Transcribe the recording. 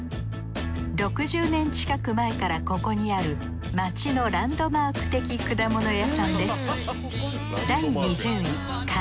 ６０年近く前からここにある街のランドマーク的果物屋さんです